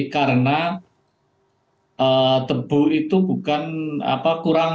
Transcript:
karena tebu itu bukan apa kurang